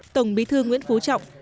tổng bí thư nguyễn phú trọng